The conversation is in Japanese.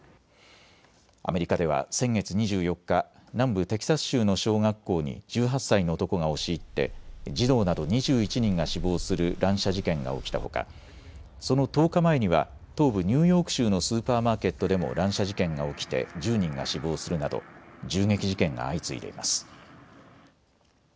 アメリカでは先月２４日、南部テキサス州の小学校に１８歳の男が押し入って児童など２１人が死亡する乱射事件が起きたほかその１０日前には東部ニューヨーク州のスーパーマーケットでも乱射事件が起きて１０人が死亡するなど銃撃事件が相次いでいます。